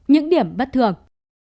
những điểm bất thường